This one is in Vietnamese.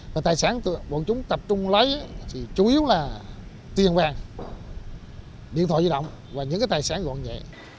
và tài sản bọn chúng tập trung lấy thì chủ yếu là tiền vàng điện thoại di động và những cái tài sản gọn nhẹ